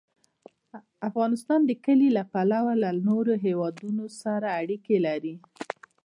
افغانستان د کلي له پلوه له نورو هېوادونو سره اړیکې لري.